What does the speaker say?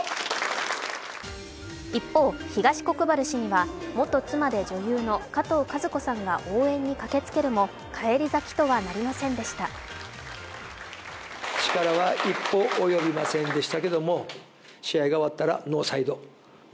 一方、東国原氏には元妻で女優のかとうかず子さんが応援に駆けつけるも、返り咲きとはなりませんでした。